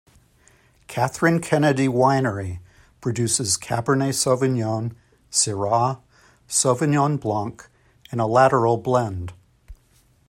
Kathryn Kennedy Winery produces Cabernet Sauvignon, Syrah, Sauvignon blanc, and a Lateral blend.